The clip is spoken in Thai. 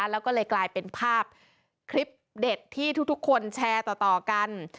แล้วก็เลยกลายเป็นภาพคลิปเด็ดที่ทุกคนแชร์ต่อกัน